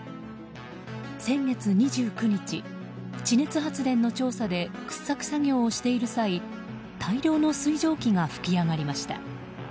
先月２９日、地熱発電の調査で掘削作業をしている際大量の水蒸気が噴き上がりました。